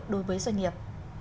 đối với doanh nghiệp